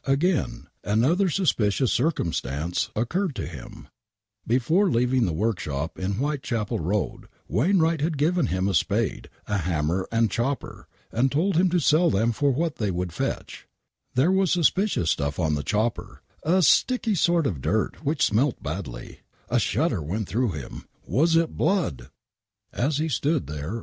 Again, another suspicious circumstance occurred to him, before leaving the workshop in Whitechapel Koad Wainwright had given him a spade, a hammer and chopper, and told him to sell them for what they would fetch. There was suspicious stuff on the chopper. A sticky sort of dirt which smelt badly. A shudder went through him. Was it blood !! i, » '*..'i •C '^#' 1 so to of mwm^m^^mmwm .i:, #■ \i f, • l WAINWRIGHT MURDER As he stood there